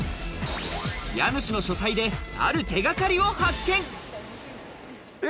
家主の書斎である手掛かりを発見。